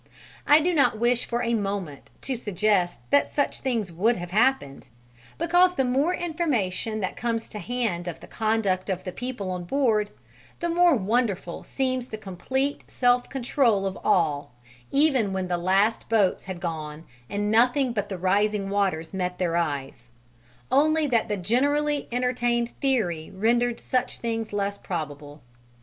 I do not wish for a moment to suggest that such things would have happened, because the more information that comes to hand of the conduct of the people on board, the more wonderful seems the complete self control of all, even when the last boats had gone and nothing but the rising waters met their eyes only that the generally entertained theory rendered such things less probable.